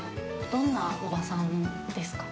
どんな叔母さんですか？